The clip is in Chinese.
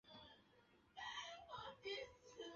东汉八顾之一。